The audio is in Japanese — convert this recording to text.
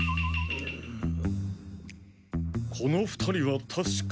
この２人は確か。